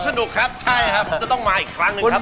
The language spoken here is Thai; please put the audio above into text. สนุกครับใช่ครับผมจะต้องมาอีกครั้งหนึ่งครับ